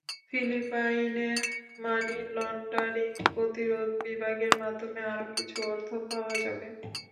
ফিলিপাইনের money laundering প্রতিরোধ বিভাগের মাধ্যমে আরও কিছু অর্থ পাওয়া যাবে।